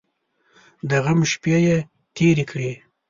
د غم شپې یې تېرې کړې.